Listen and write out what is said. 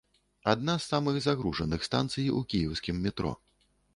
Адна з самых загружаных станцый у кіеўскім метро.